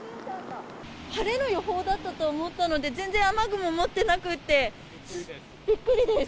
晴れの予報だと思ったので、全然雨具も持ってなくて、びっくりです。